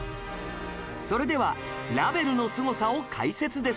それではラヴェルのすごさを解説です